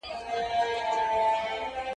مېږه چي پمنه سي، هر عيب ئې په کونه سي.